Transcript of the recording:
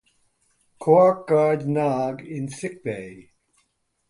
Quark guards Nog in sickbay.